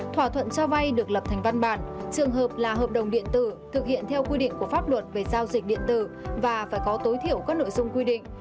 thỏa thuận cho vay được lập thành văn bản trường hợp là hợp đồng điện tử thực hiện theo quy định của pháp luật về giao dịch điện tử và phải có tối thiểu các nội dung quy định